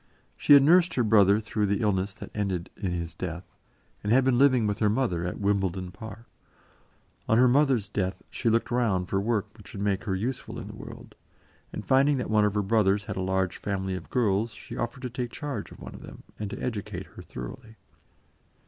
She had nursed her brother through the illness that ended in his death, and had been living with her mother at Wimbledon Park. On her mother's death she looked round for work which would make her useful in the world, and finding that one of her brothers had a large family of girls, she offered to take charge of one of them, and to educate her thoroughly.